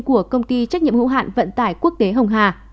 của công ty trách nhiệm hữu hạn vận tải quốc tế hồng hà